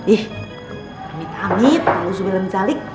ih amit amit kalau zubil yang zalik